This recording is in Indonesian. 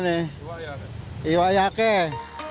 ini enak sekali